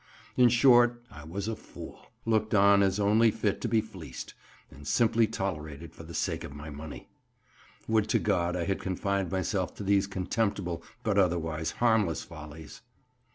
In short, I was a fool, looked on as only fit to be fleeced, and simply tolerated for the sake of my money. Would to God I had confined myself to these contemptible but otherwise harmless follies!